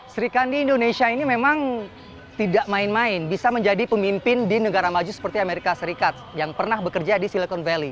sri kandi indonesia ini memang tidak main main bisa menjadi pemimpin di negara maju seperti amerika serikat yang pernah bekerja di silicon valley